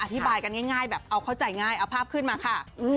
อธิบายกันง่ายแบบเอาเข้าใจง่ายเอาภาพขึ้นมาค่ะ